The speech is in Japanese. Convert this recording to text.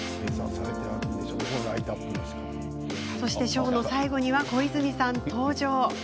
ショーの最後には小泉さんも登場。